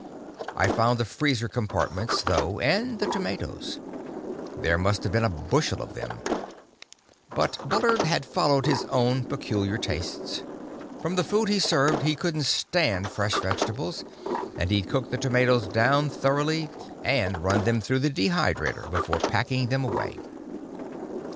I found the freezer compartments, though and the tomatoes. There must have been a bushel of them, but Bullard had followed his own peculiar tastes. From the food he served, he couldn't stand fresh vegetables; and he'd cooked the tomatoes down thoroughly and run them through the dehydrator before packing them away!